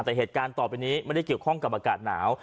แต่เหตุการณ์ต่อไปนี้ไม่ได้เกี่ยวข้องกับอากาศหนาว